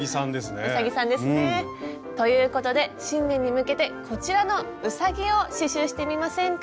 うさぎさんですね。ということで新年に向けてこちらのうさぎを刺しゅうしてみませんか？